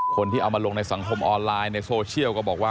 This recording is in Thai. คนที่เอามาลงในสังคมออนไลน์ในโซเชียลก็บอกว่า